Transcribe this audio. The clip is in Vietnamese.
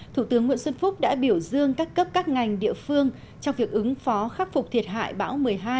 thủ tướng nguyễn xuân phúc đã biểu dương các cấp các ngành địa phương trong việc ứng phó khắc phục thiệt hại bão một mươi hai